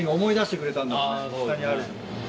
下にある。